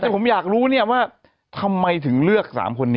แต่ผมอยากรู้เนี่ยว่าทำไมถึงเลือก๓คนนี้